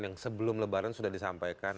yang sebelum lebaran sudah disampaikan